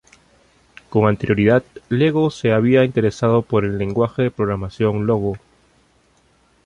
Con anterioridad, Lego se había interesado por el Lenguaje de programación Logo.